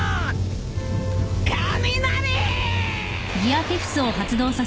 雷！